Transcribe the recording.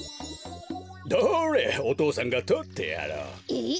どれお父さんがとってやろう。